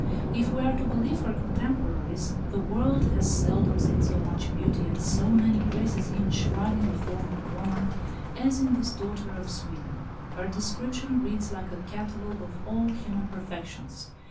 If we are to believe her contemporaries, the world has seldom seen so much beauty and so many graces enshrined in the form of woman as in this daughter of Sweden. Her description reads like a catalogue of all human perfections.